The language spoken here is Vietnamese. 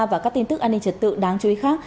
và các tin tức an ninh trật tự đáng chú ý khác